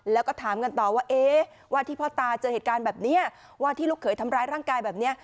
แล้วก็ถามกันต่อว่าเอ๊ะว่าที่พ่อตาเจอเหตุการณ์แบบนี้ว่าที่ลูกเขยทำร้ายร่างกายแบบนี้